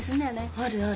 あるある。